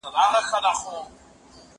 زه شګه پاک کړی دی